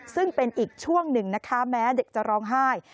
ซึ่งเป็นอีกช่วงหนึ่งนะคะแม้เด็กจะร้องไห้